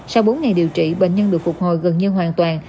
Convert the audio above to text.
sau bốn ngày điều trị bệnh nhân được phục hồi gần như hoàn toàn